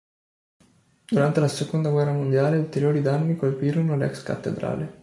Durante la seconda guerra mondiale ulteriori danni colpirono l'ex cattedrale.